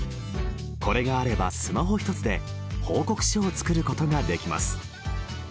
これがあればスマホひとつで報告書を作ることができます